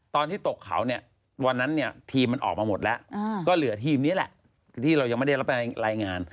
ตอนที่ตกเขาเนี่ยวันนั้นเนี่ยทีมมันออกมาหมดแล้วก็เหลือทีมนี้แหละที่เรายังไม่ได้รับรายงาน